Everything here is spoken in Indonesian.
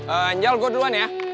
anjal gue duluan ya